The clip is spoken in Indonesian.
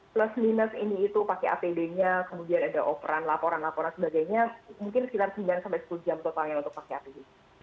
plus minus ini itu pakai apd nya kemudian ada operan laporan laporan sebagainya mungkin sekitar sembilan sepuluh jam totalnya untuk pakai apd